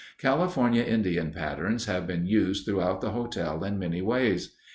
California Indian patterns have been used throughout the hotel in many ways.